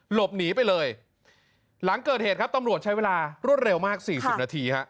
หลบหนีไปเลยหลังเกิดเหตุครับตำรวจใช้เวลารวดเร็วมากสี่สิบนาทีฮะ